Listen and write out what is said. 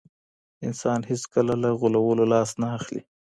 انسان هیڅکله له غولولو لاس نه اخلي.